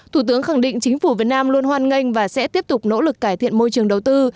thủ tướng khẳng định chính phủ việt nam luôn hoan nghênh và sẽ tiếp tục nỗ lực cải thiện môi trường đầu tư